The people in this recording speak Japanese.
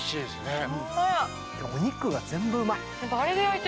お肉が全部うまい。